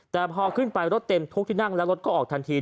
แต่พอขึ้นไปรถเต็มทุกที่นั่งแล้วรถก็ออกทันที